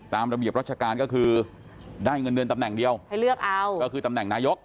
ตามระเบียบราชการก็คือได้เงินเดือนตำแหน่งเดียวให้เลือกเอาก็คือตำแหน่งนายก